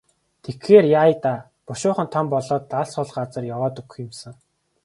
Тэгэхээр яая даа, бушуухан том болоод л алс хол газар яваад өгөх юм сан.